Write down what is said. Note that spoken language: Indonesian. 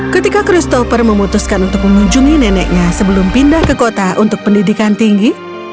ketika christopher memutuskan untuk mengunjungi neneknya sebelum pindah ke kota untuk pendidikan tinggi